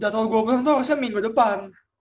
jadwal gue pulang tuh harusnya minggu depan